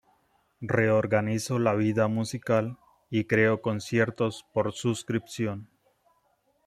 Reorganizó la vida musical y creó conciertos por suscripción.